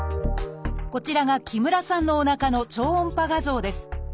こちらが木村さんのおなかの超音波画像です。